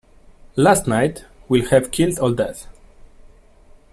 Last night will have killed all that.